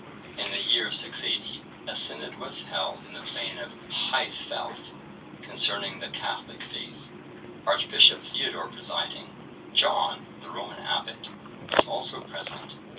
[IV, 21.] In the year 680, a synod was held in the plain of Haethfelth, concerning the Catholic faith, Archbishop Theodore presiding; John, the Roman abbot, was also present.